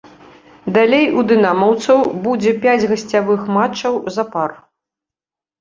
Далей у дынамаўцаў будзе пяць гасцявых матчаў запар.